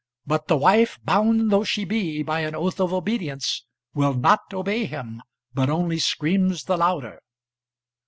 But the wife, bound though she be by an oath of obedience, will not obey him, but only screams the louder.